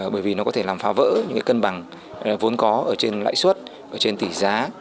bởi vì nó có thể làm phá vỡ những cân bằng vốn có ở trên lãi suất trên tỷ giá